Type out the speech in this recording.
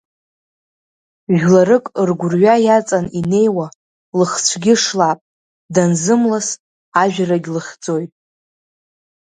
Жәларык ргәырҩа иаҵан инеиуа лыхцәгьы шлап, данзымлас, ажәрагь лыхьӡоит.